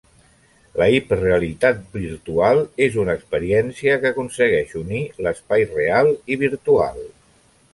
La Hiperrealitat Virtual és una experiència que aconsegueix unir l'espai real i virtual.